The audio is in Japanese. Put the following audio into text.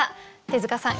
手塚さん